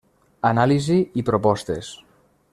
Anàlisi i propostes.